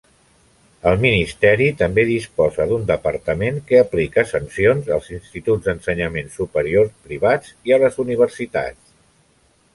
El Ministeri també disposa d'un departament que aplica sancions als instituts d'ensenyament superior privats i a les universitats.